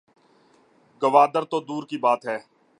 گوادر تو دور کی بات ہے